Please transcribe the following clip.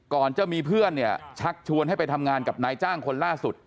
ก่อนจะมีเพื่อนเนี่ยชักชวนให้ไปทำงานกับนายจ้างคนล่าสุด